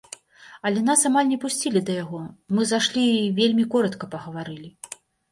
Але нас амаль не пусцілі да яго, мы зашлі і вельмі коратка пагаварылі.